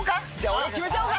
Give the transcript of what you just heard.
俺決めちゃおうか。